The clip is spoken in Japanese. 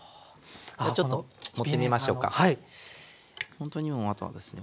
ほんとにもうあとはですね